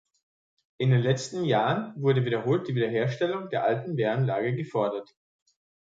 In den letzten Jahren wurde wiederholt die Wiederherstellung der alten Wehranlage gefordert.